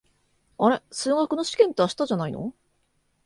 あれ、数学の試験って明日じゃないの？